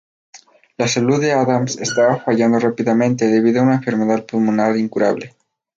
La salud de Adams estaba fallando rápidamente debido a una enfermedad pulmonar incurable.